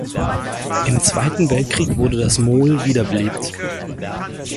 Im Zweiten Weltkrieg wurde das MoI wiederbelebt.